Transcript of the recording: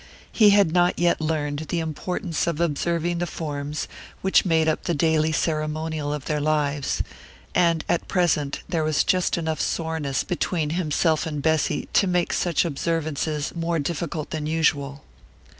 He had not yet learned the importance of observing the forms which made up the daily ceremonial of their lives, and at present there was just enough soreness between himself and Bessy to make such observances more difficult than usual.